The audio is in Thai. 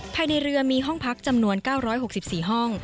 ภายในเรือมีห้องพักจำนวน๙๖๔ห้อง